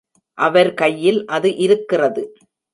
அவர் கையில் அது இருக்கிறது.